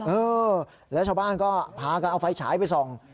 เออแล้วชาวบ้านก็พากันเอาไฟฉายไปส่อง